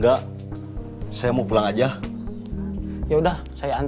jadi apa yang bisa dikatakan